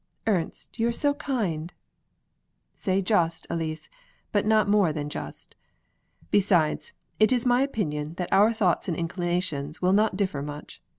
"Ernst, you are so kind!" "Say just, Elise; not more than just. Besides, it is my opinion that our thoughts and inclinations will not differ much.